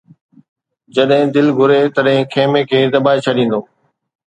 جڏھن دل گھري تڏھن خيمي کي دٻائي ڇڏيندو